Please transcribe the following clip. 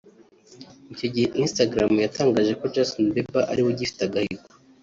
Icyo gihe Instagram yatangaje ko Justin Bieber ari we ufite agahigo